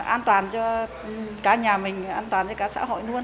an toàn cho cả nhà mình an toàn cho cả xã hội luôn